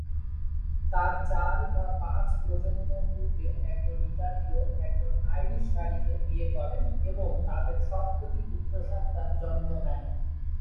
তার চার বা পাঁচ প্রজন্ম পূর্বে একজন ইতালীয় একজন আইরিশ নারীকে বিয়ে করেন এবং তাদের সবকয়টি পুত্রসন্তান জন্ম নেন।